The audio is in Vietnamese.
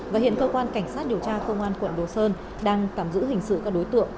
và hiện cơ quan cảnh sát điều tra công an quận đồ sơn đang tạm giữ hình sự các đối tượng